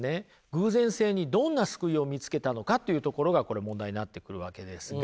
偶然性にどんな救いを見つけたのかというところがこれ問題になってくるわけですが。